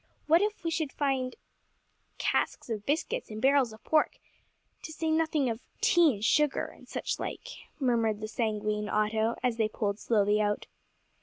"What if we should find casks of biscuits and barrels of pork, to say nothing of tea and sugar, and such like?" murmured the sanguine Otto, as they poled slowly out.